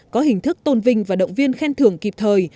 có hình thức tôn vinh và động viên khen thưởng kịp thời